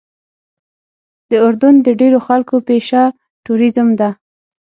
د اردن د ډېرو خلکو پیشه ټوریزم ده.